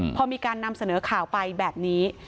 พอมีการนำเสนอข่าวไปแบบนี้